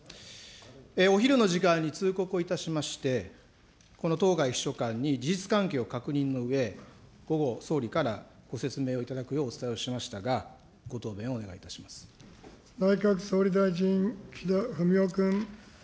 お昼の時間に通告をいたしまして、この当該秘書官に事実関係を確認のうえ、午後、総理からご説明をいただくようお伝えをしましたが、ご答弁をお願内閣総理大臣、岸田文雄君。